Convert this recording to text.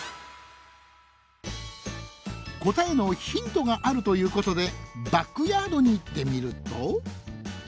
答えのヒントがあるということでバックヤードに行ってみると。